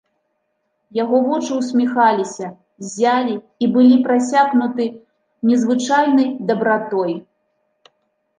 Яго вочы ўсміхаліся, ззялі і былі прасякнуты незвычайнай дабратой.